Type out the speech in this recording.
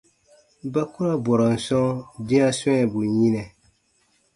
Ba ku ra bɔrɔn sɔ̃ dĩa swɛ̃ɛbu yinɛ.